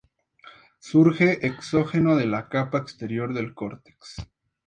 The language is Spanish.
Surge exógeno de la capa exterior del córtex